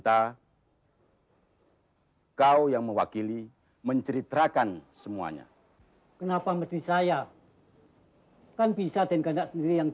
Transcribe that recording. tolong tapi mak jamie voter kembali